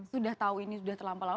sudah tahu ini sudah terlalu lama